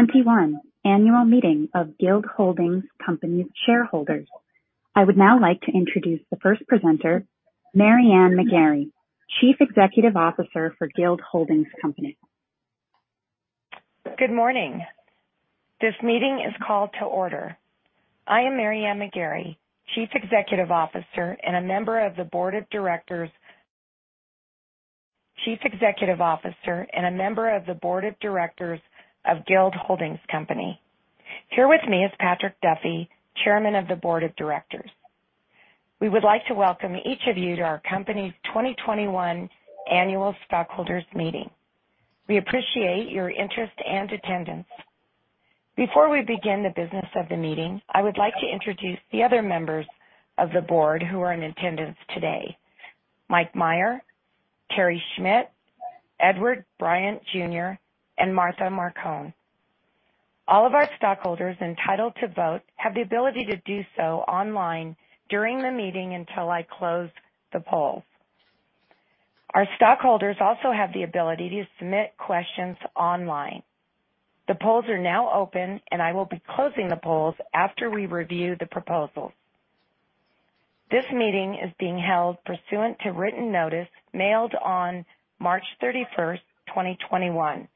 Welcome to the 2021 Annual Meeting of Guild Holdings Company Shareholders. I would now like to introduce the first presenter, Mary Ann McGarry, Chief Executive Officer for Guild Holdings Company. Good morning. This meeting is called to order. I am Mary Ann McGarry, Chief Executive Officer and a member of the board of directors of Guild Holdings Company. Here with me is Patrick Duffy, Chairman of the Board of Directors. We would like to welcome each of you to our company's 2021 annual stockholders meeting. We appreciate your interest and attendance. Before we begin the business of the meeting, I would like to introduce the other members of the board who are in attendance today: Mike Meyer, Terry Schmidt, Edward Bryant, Jr., and Martha Marcon. All of our stockholders entitled to vote have the ability to do so online during the meeting until I close the polls. Our stockholders also have the ability to submit questions online. The polls are now open, and I will be closing the polls after we review the proposals. This meeting is being held pursuant to written notice mailed on March 31st, 2021,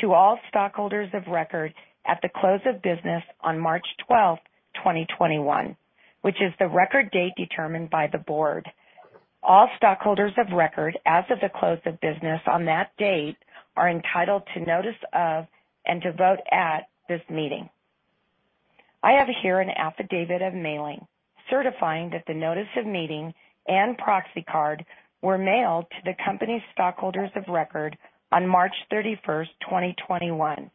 to all stockholders of record at the close of business on March 12th, 2021, which is the record date determined by the board. All stockholders of record as of the close of business on that date are entitled to notice of and to vote at this meeting. I have here an affidavit of mailing certifying that the notice of meeting and proxy card were mailed to the company's stockholders of record on March 31st, 2021.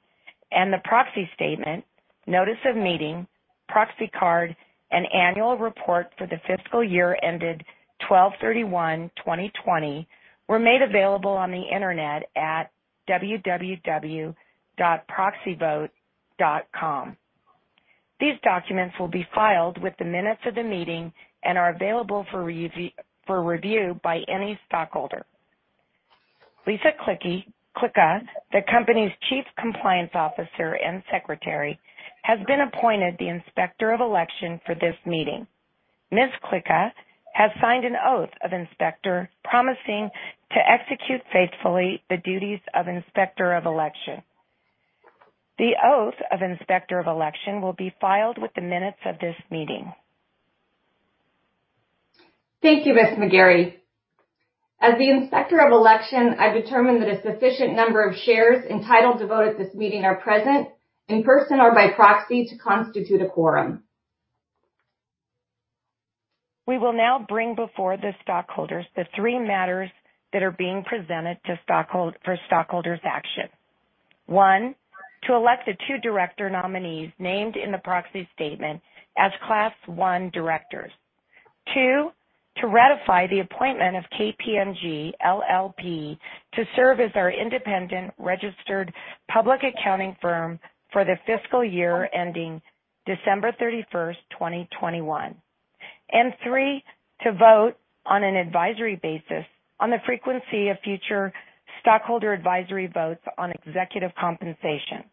The proxy statement, notice of meeting, proxy card, and annual report for the fiscal year ended 12/31/2020 were made available on the internet at www.proxyvote.com. These documents will be filed with the minutes of the meeting and are available for review by any stockholder. Lisa Klika, the company's chief compliance officer and secretary, has been appointed the inspector of election for this meeting. Ms. Klika has signed an oath of inspector promising to execute faithfully the duties of inspector of election. The oath of inspector of election will be filed with the minutes of this meeting. Thank you, Ms. McGarry. As the inspector of election, I determine that a sufficient number of shares entitled to vote at this meeting are present in person or by proxy to constitute a quorum. We will now bring before the stockholders the three matters that are being presented for stockholders' action. One, to elect the two director nominees named in the proxy statement as Class I directors. Two, to ratify the appointment of KPMG LLP to serve as our independent registered public accounting firm for the fiscal year ending December 31, 2021. Three, to vote on an advisory basis on the frequency of future stockholder advisory votes on executive compensation.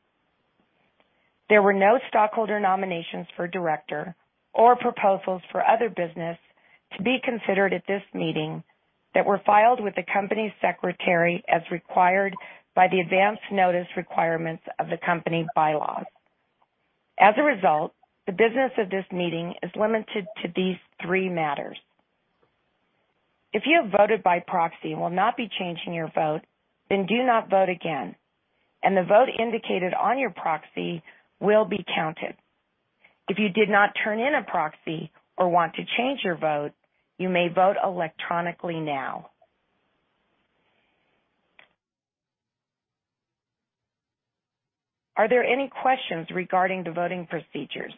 There were no stockholder nominations for director or proposals for other business to be considered at this meeting that were filed with the company secretary as required by the advance notice requirements of the company bylaws. As a result, the business of this meeting is limited to these three matters. If you have voted by proxy and will not be changing your vote, then do not vote again, and the vote indicated on your proxy will be counted. If you did not turn in a proxy or want to change your vote, you may vote electronically now. Are there any questions regarding the voting procedures?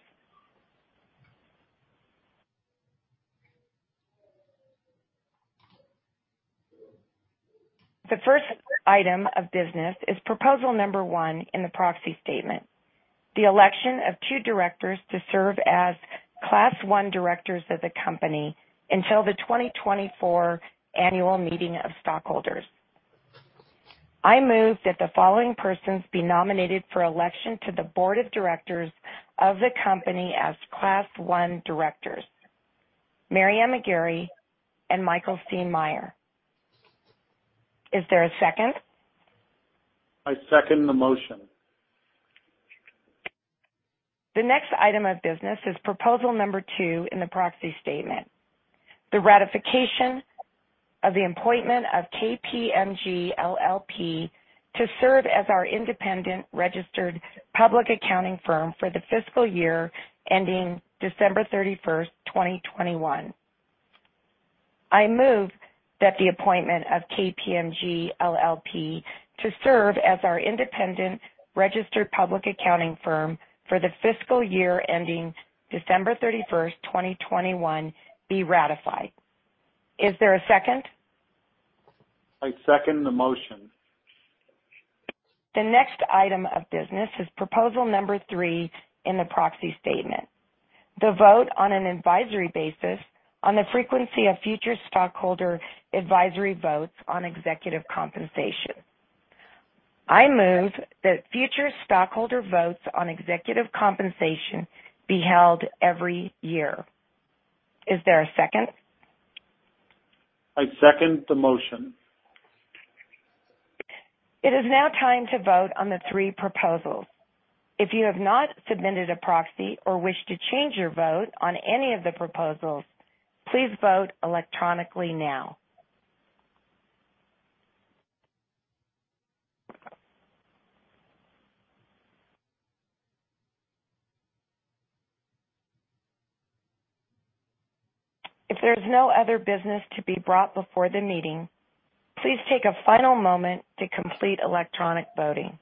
The first item of business is proposal number 1 in the proxy statement, the election of two directors to serve as Class I directors of the company until the 2024 annual meeting of stockholders. I move that the following persons be nominated for election to the board of directors of the company as Class I directors, Mary Ann McGarry and Michael C. Meyer. Is there a second? I second the motion. The next item of business is proposal number 2 in the proxy statement, the ratification of the appointment of KPMG LLP to serve as our independent registered public accounting firm for the fiscal year ending December 31st, 2021. I move that the appointment of KPMG LLP to serve as our independent registered public accounting firm for the fiscal year ending December 31st, 2021, be ratified. Is there a second? I second the motion. The next item of business is proposal number 3 in the proxy statement. The vote on an advisory basis on the frequency of future stockholder advisory votes on executive compensation. I move that future stockholder votes on executive compensation be held every year. Is there a second? I second the motion. It is now time to vote on the three proposals. If you have not submitted a proxy or wish to change your vote on any of the proposals, please vote electronically now. If there's no other business to be brought before the meeting, please take a final moment to complete electronic voting.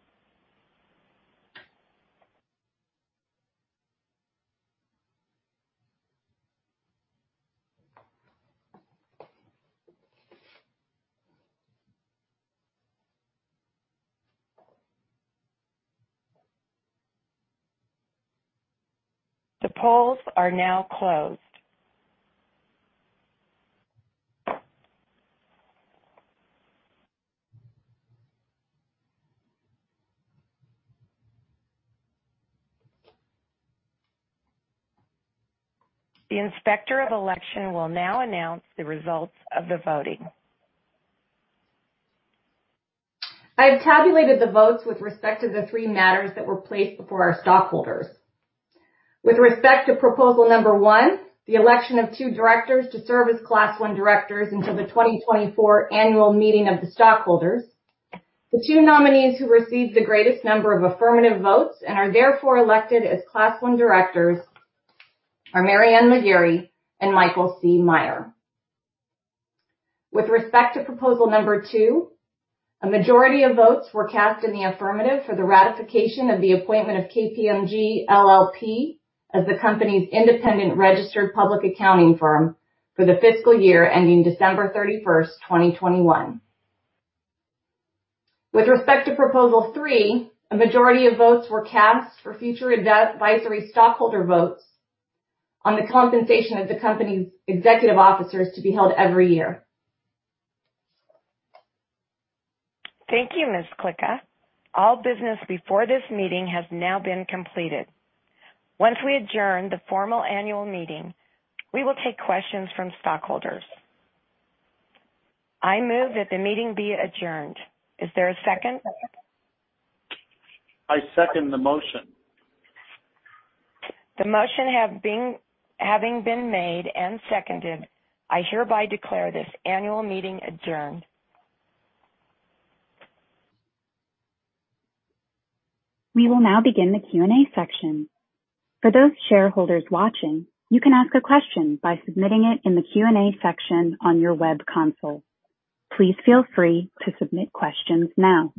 The polls are now closed. The Inspector of Election will now announce the results of the voting. I have tabulated the votes with respect to the three matters that were placed before our stockholders. With respect to proposal number 1, the election of two directors to serve as Class 1 directors until the 2024 annual meeting of the stockholders, the two nominees who received the greatest number of affirmative votes and are therefore elected as Class 1 directors are Mary Ann McGarry and Michael C. Meyer. With respect to proposal number 2, a majority of votes were cast in the affirmative for the ratification of the appointment of KPMG LLP as the company's independent registered public accounting firm for the fiscal year ending December 31, 2021. With respect to proposal 3, a majority of votes were cast for future advisory stockholder votes on the compensation of the company's executive officers to be held every year. Thank you, Ms. Klika. All business before this meeting has now been completed. Once we adjourn the formal annual meeting, we will take questions from stockholders. I move that the meeting be adjourned. Is there a second? I second the motion. The motion having been made and seconded, I hereby declare this annual meeting adjourned. We will now begin the Q&A section. For those shareholders watching, you can ask a question by submitting it in the Q&A section on your web console. Please feel free to submit questions now.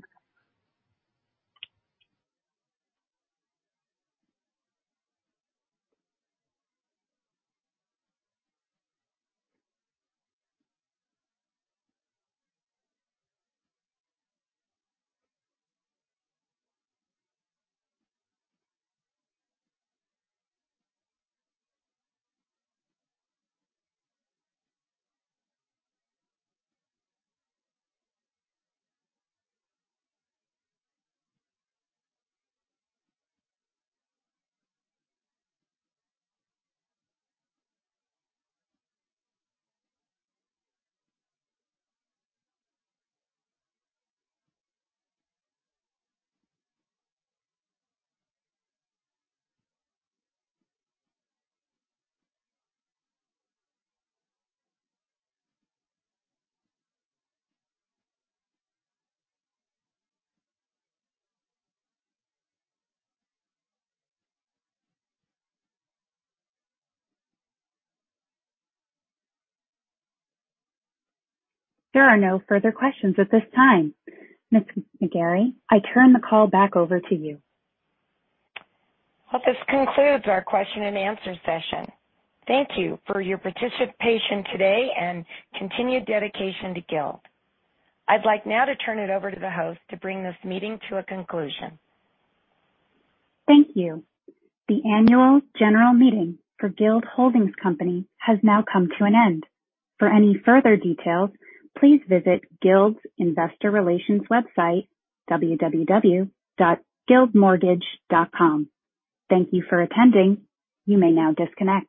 There are no further questions at this time. Ms. McGarry, I turn the call back over to you. Well, this concludes our question and answer session. Thank you for your participation today and continued dedication to Guild. I'd like now to turn it over to the host to bring this meeting to a conclusion. Thank you. The annual general meeting for Guild Holdings Company has now come to an end. For any further details, please visit Guild's investor relations website, www.guildmortgage.com. Thank you for attending. You may now disconnect.